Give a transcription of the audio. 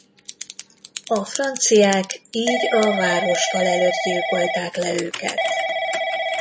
A franciák így a városfal előtt gyilkolták le őket.